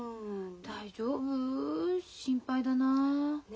大丈夫？心配だな。ね。